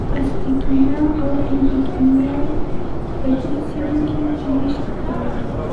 ازتکیان او اینکایان په دې سیمو کې مېشت وو.